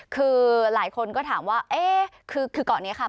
คือหลายคนก็ถามว่าคือก่อนนี้ค่ะ